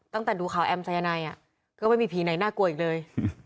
ตั้งแต่ดูข่าวแอมสายนายก็ไม่มีผีไหนน่ากลัวอีกเลย